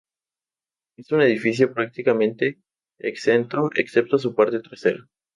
Es un edificio prácticamente exento excepto su parte trasera.